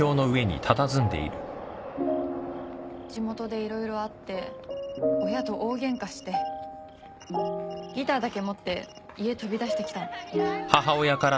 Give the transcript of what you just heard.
地元で色々あって親と大ゲンカしてギターだけ持って家飛び出してきたの。